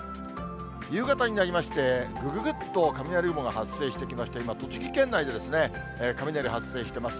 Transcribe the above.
夕方になりまして、ぐぐぐっと雷雲が発生してきまして、今、栃木県内で雷発生してます。